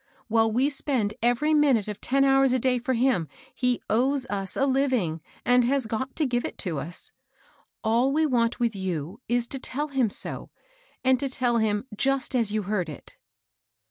While we spend every minute of ten hours a day for him, he owes us a Uving and has got to give it to us. All we want with you is to tell him so, and to tell it just as you heard it."